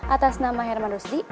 atas nama herman rusdi